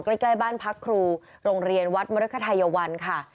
ใกล้บ้านพักครูโรงเรียนวัดมรกไทยวันค่ะ